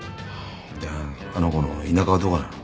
であの子の田舎はどこなの？